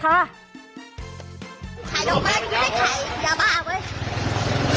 ขายดอกไม้อยู่ไม่ได้ขายอย่าบ้าเว้ย